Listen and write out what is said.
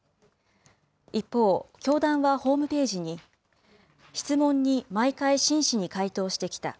一方、教団はホームページに、質問に毎回、真摯に回答してきた。